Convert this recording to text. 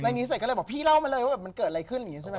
รายนี้เสร็จก็เลยบอกพี่เล่ามาเลยว่ามันเกิดอะไรขึ้น